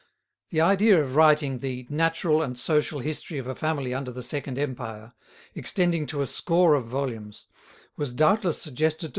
The idea of writing the "natural and social history of a family under the Second Empire," extending to a score of volumes, was doubtless suggested to M.